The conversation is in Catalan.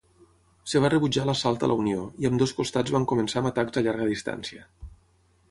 Es va rebutjar l'assalt a la Unió, i ambdós costats van començar amb atacs a llarga distància.